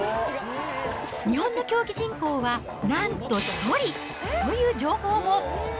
日本の競技人口は、なんと１人という情報も。